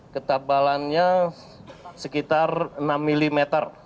ketabalannya sekitar enam mm